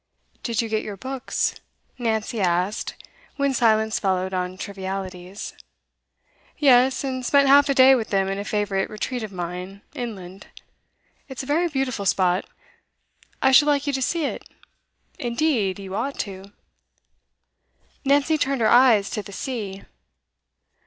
'Did you get your books?' Nancy asked, when silence followed on trivialities. 'Yes, and spent half a day with them in a favourite retreat of mine, inland. It's a very beautiful spot. I should like you to see it. Indeed, you ought to.' Nancy turned her eyes to the sea.